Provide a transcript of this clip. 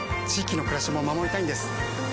域の暮らしも守りたいんです。